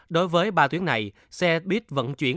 đối với ba tuyến này xe buýt vận chuyển